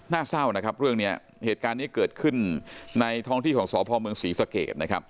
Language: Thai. น่าเศร้านะครับเรื่องนี้เหตุการณ์นี้เกิดขึ้นในท้องที่ของสพมศรีสเกต